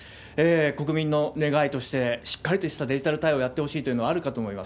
国民の願いとして、しっかりとしたデジタル対応やってほしいとかあるかと思います。